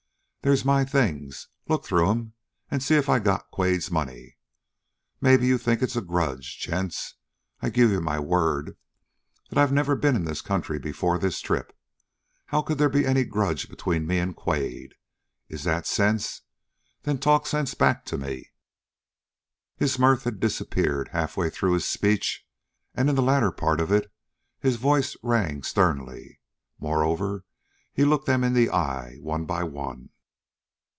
There's my things. Look through 'em and see if I got Quade's money. Maybe you think it's a grudge? Gents, I give you my word that I never been into this country before this trip. How could there be any grudge between me and Quade? Is that sense? Then talk sense back to me!" His mirth had disappeared halfway through his speech, and in the latter part of it his voice rang sternly. Moreover he looked them in the eye, one by one.